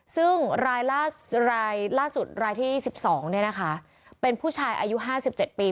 ซึ่งรายล่าสุดรายที่๑๒เป็นผู้ชายอายุ๕๗ปี